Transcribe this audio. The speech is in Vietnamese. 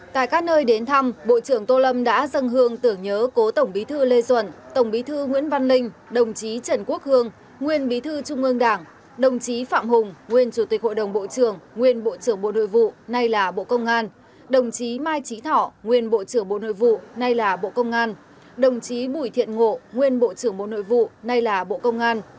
tại các nơi đến thăm bộ trưởng tô lâm đã dâng hương tưởng nhớ cố tổng bí thư lê duẩn tổng bí thư nguyễn văn linh đồng chí trần quốc hương nguyên bí thư trung ương đảng đồng chí phạm hùng nguyên chủ tịch hội đồng bộ trưởng nguyên bộ trưởng bộ nội vụ nay là bộ công an đồng chí mai trí thỏ nguyên bộ trưởng bộ nội vụ nay là bộ công an đồng chí bụi thiện ngộ nguyên bộ trưởng bộ nội vụ nay là bộ công an